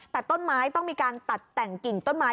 แต่ต้นไม้ต้องมีการตัดแต่งกิ่งต้นไม้